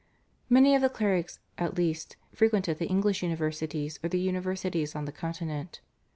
Many of the clerics, at least, frequented the English universities or the universities on the Continent.